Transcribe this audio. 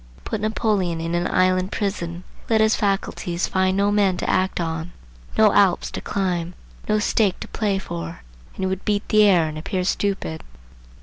Put Napoleon in an island prison, let his faculties find no men to act on, no Alps to climb, no stake to play for, and he would beat the air, and appear stupid.